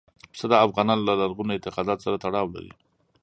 پسه د افغانانو له لرغونو اعتقاداتو سره تړاو لري.